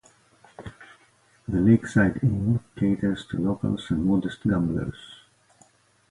The Lakeside Inn caters to locals and modest gamblers.